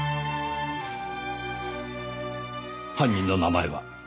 犯人の名前は？